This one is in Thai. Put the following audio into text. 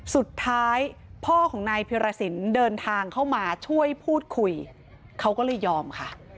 สุดท้ายพ่อของนายพิรสินเดินทางเข้ามาช่วยพูดคุยเขาก็เลยยอมค่ะ